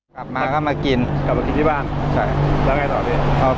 กลับมาก็มากินกลับมากินที่บ้านใช่แล้วไงต่อพี่